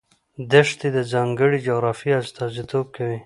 دښتې د ځانګړې جغرافیې استازیتوب کوي.